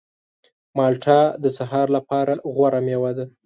مالټه د سهار لپاره غوره مېوه ده.